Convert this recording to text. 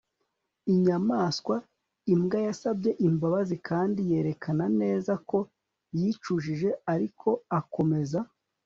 inyamaswa imbwa yasabye imbabazi kandi yerekana neza ko yicujije, ariko akomeza